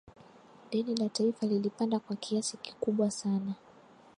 deni la taifa lilipanda kwa kiasi kikubwa sana